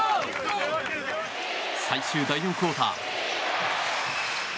最終第４クオーター。